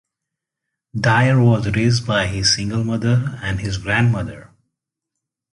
Dior was raised by his single mother and his grandmother.